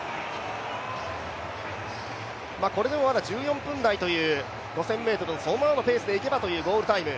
これでもまだ１４分台というそのままのペースでいけばというゴールタイム。